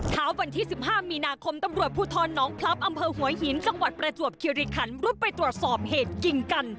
เช้าวันที่๑๕มีนาคมตำรวจภูทรน้องพลับอำเภอหัวหินจังหวัดประจวบคิริขันรุดไปตรวจสอบเหตุยิงกัน